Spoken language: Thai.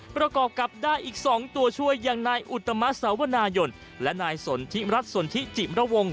ประกอบกับได้อีก๒ตัวช่วยอย่างนายอุตมะสาวนายนและนายสนทิรัฐสนทิจิมระวง